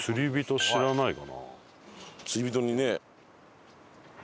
釣り人にね。